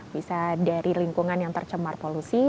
bisa dari lingkungan yang tercemar polusi